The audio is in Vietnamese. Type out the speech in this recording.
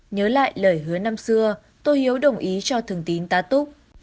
nhớ lại lời hứa năm xưa tôi hiếu đồng ý cho thường tín ta túc